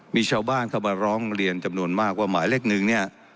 มีชาวบ้านเข้ามาร้องเรียนจำนวนมากว่าหมายเลขหนึ่งเนี่ย